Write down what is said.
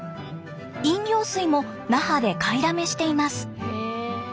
飲料水も那覇で買いだめしています。